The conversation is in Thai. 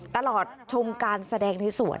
ตลอดชมการแสดงในสวด